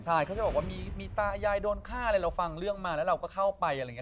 ใช่เขาจะบอกว่ามีตายายโดนฆ่าอะไรเราฟังเรื่องมาแล้วเราก็เข้าไปอะไรอย่างนี้